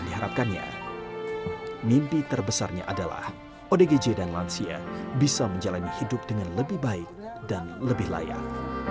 dan diharapkannya mimpi terbesarnya adalah odgj dan lansia bisa menjalani hidup dengan lebih baik dan lebih layak